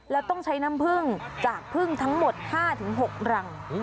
แล้วต้องใช้น้ำผึ้งจากพึ่งทั้งหมด๕๖รัง